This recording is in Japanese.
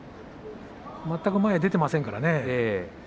全く前に出ていませんからね。